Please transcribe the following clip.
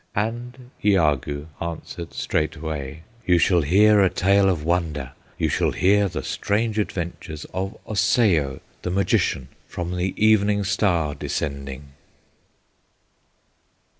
And Iagoo answered straightway, "You shall hear a tale of wonder, You shall hear the strange adventures Of Osseo, the Magician, From the Evening Star descending."